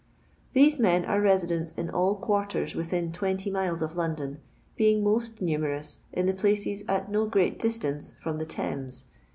These men are residents in all quarters within 20 miles of London, being most nume rous in the pUces at no great distance from the Thames.